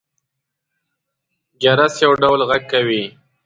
جرس يو ډول غږ کوي.